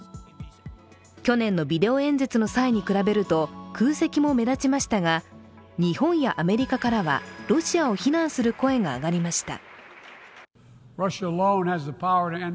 去年のビデオ演説の際に比べると空席も目立ちましたが日本やアメリカからはロシアを非難する声が上がりました。